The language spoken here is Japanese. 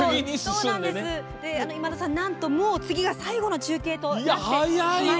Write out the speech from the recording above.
今田さん、なんともう次が最後の中継となります。